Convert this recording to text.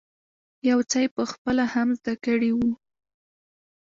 يو څه یې په خپله هم زده کړی وو.